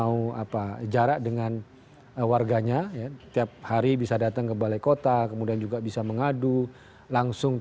untuk bisa menampung